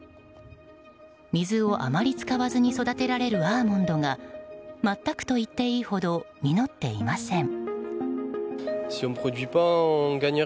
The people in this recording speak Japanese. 水をあまり使わずに育てられるアーモンドが全くと言っていいほど実っていません。